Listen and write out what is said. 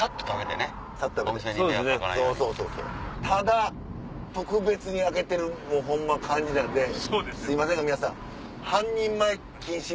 ただ特別に開けてるもうホンマ感じなんですいませんが皆さん。